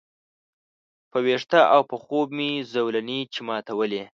په ویښه او په خوب مي زولنې چي ماتولې